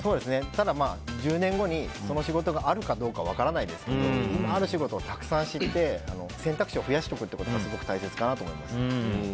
ただ１０年後にその仕事があるかどうか分からないですけどもある仕事をたくさん知って選択肢を増やしておくことがすごく大切かなと思います。